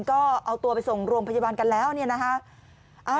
ก็เอาตัวไปส่งโรงพยาบาลกันแล้วเนี่ยนะคะ